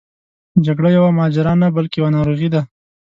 جګړه یوه ماجرا نه بلکې یوه ناروغي ده.